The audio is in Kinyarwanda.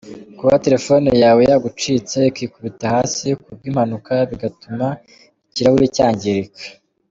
Kuba telefone yawe yagucitse ikikubita hasi kubwimpanuka bigatuma ikirahuri cyangirika.